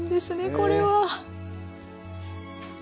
これは！